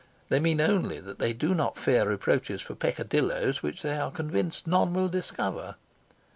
They mean only that they do not fear reproaches for peccadillos which they are convinced none will discover.